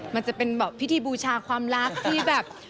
มันจะเป็นแบบพิธีบูชาความรักที่แบบ